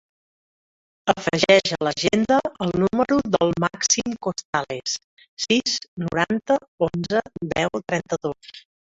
Afegeix a l'agenda el número del Màxim Costales: sis, noranta, onze, deu, trenta-dos.